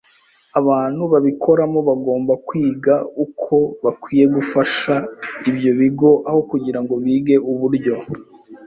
Abantu babikoramo bagomba kwiga uko bakwiye gufasha ibyo bigo aho kugira ngo bige uburyo